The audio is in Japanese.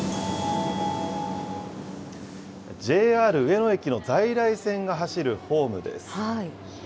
ＪＲ上野駅の在来線が走るホームです。